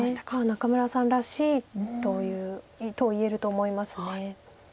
仲邑さんらしいというと言えると思います。